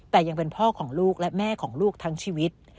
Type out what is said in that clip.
แต่ยังเป็นพ่อของลูกและแม่ของลูกทั้งชีวิต